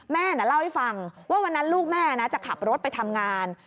แม่น่ะเล่าให้ฟังว่าวันนั้นลูกแม่นะจะขับรถไปทำงาน